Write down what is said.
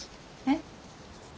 えっ？